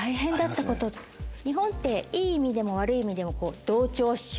日本っていい意味でも悪い意味でも同調主義。